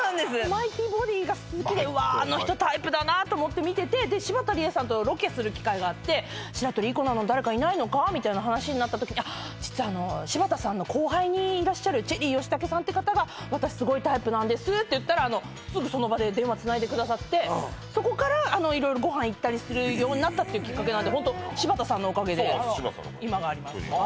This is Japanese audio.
マイティボディが好きでうわあの人タイプだなと思って見てて柴田理恵さんとロケする機会があって白鳥いい子なのに誰かいないのかみたいな話になった時に実は柴田さんの後輩にいらっしゃるチェリー吉武さんって方が私すごいタイプなんですって言ったらすぐその場で電話つないでくださってそこから色々ご飯行ったりするようになったっていうきっかけなんでホント柴田さんのおかげで今があります